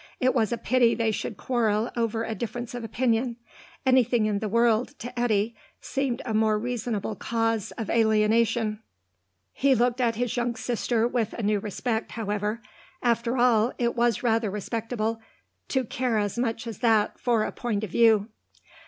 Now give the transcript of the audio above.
It was a pity they should quarrel over a difference of opinion; anything in the world, to Eddy, seemed a more reasonable cause of alienation. He looked at his young sister with a new respect, however; after all, it was rather respectable to care as much as that for a point of view.